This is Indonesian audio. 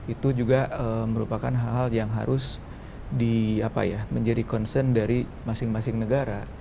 itu juga merupakan hal hal yang harus menjadi concern dari masing masing negara